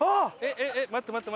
えっえっ待って待って。